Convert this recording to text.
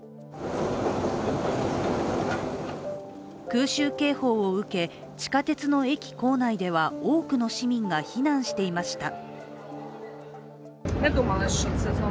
空襲警報を受け、地下鉄の駅構内では多くの市民が避難していました。